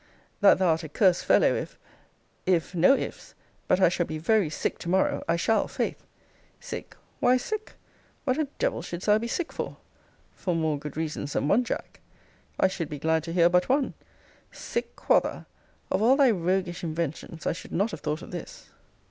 That thou art a cursed fellow, if If no if's but I shall be very sick to morrow. I shall, 'faith. Sick! Why sick? What a devil shouldst thou be sick for? For more good reasons than one, Jack. I should be glad to hear but one. Sick, quotha! Of all thy roguish inventions I should not have thought of this.